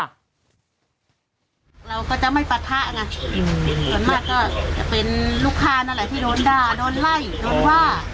เราก็จะไม่ปะทะไงส่วนมากก็จะเป็นลูกค้านั่นแหละที่โดนด่าโดนไล่โดนว่า